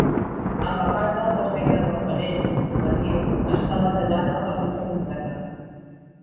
A la part del darrere del panell informatiu està detallada la ruta completa.